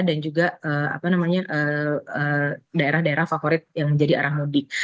dan juga daerah daerah favorit yang menjadi arah mudik